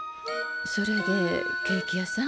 それでケーキ屋さん？